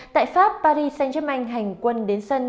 tại pháp paris saint germain hành quân đến sân